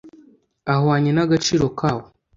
ahwanye n agaciro kawo